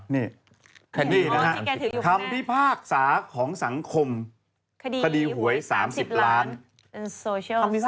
นี่นะครับคำพิพากษาของสังคมคดีหวย๓๐ล้านโซเชียล